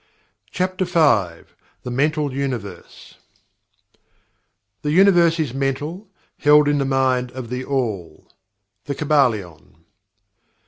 CHAPTER V THE MENTAL UNIVERSE "The Universe is Mental held in the Mind of THE ALL." The Kybalion.